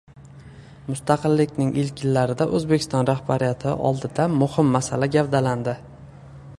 Mustaqillikning ilk yillarida O‘zbekiston rahbariyati oldida muhim masala gavdalandi